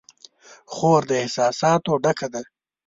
خور د احساساتو ډکه ده.